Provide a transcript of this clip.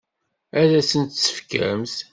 Ad asen-t-tefkemt?